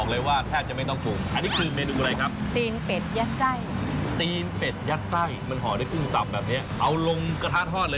อร่อยด้วยนะลาดด้วยปูแล้วก็เห็ดหอม